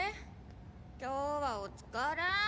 今日はおつかれ。